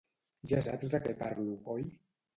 Ja saps de què parlo, oi?